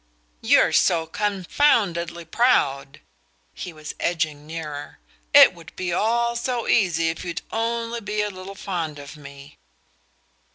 "You're so confoundedly proud!" He was edging nearer. "It would all be so easy if you'd only be a little fond of me..."